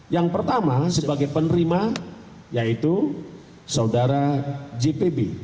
yang pertama sebagai penerima yaitu saudara jpb